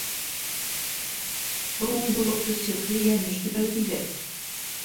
— Был уйһыулыҡты сихри Йәнеш төбәге тиҙәр.